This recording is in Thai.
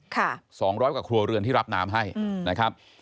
๒๐๐กว่าครัวเรือนที่รับน้ำให้นะครับ